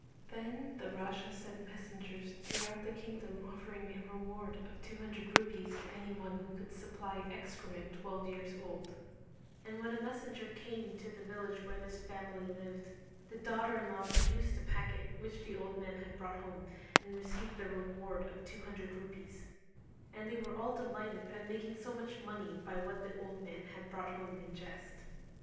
Then the Raja sent messengers throughout the kingdom offering a reward of 200 Rupees to any one who could supply excrement twelve years old; and when a messenger came to the village where this family lived the daughter in law produced the packet which the old man had brought home and received the reward of 200 Rupees; and they were all delighted at making so much money by what the old man had brought home in jest.